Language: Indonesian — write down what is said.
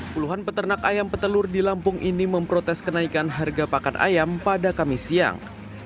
puluhan peternak ayam petelur di lampung ini memprotes kenaikan harga pakan ayam pada kamis siang